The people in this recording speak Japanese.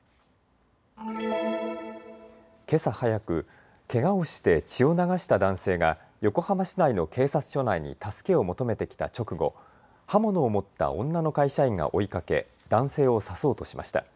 けさ早く、けがをして血を流した男性が横浜市内の警察署内に助けを求めてきた直後、刃物を持った女の会社員が追いかけ男性を刺そうとしました。